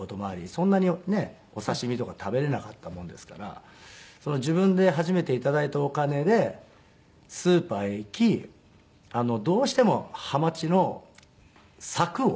そんなにねお刺し身とか食べれなかったものですから自分で初めていただいたお金でスーパーへ行きどうしてもハマチの柵を。